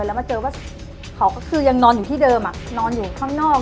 แล้วมาเจอว่าเขาก็คือยังนอนอยู่ที่เดิมนอนอยู่ข้างนอก